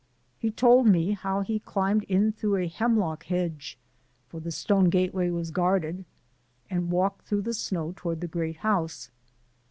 He told me how he climbed through a hemlock hedge (for the stone gateway was guarded) and walked through the snow toward the great house.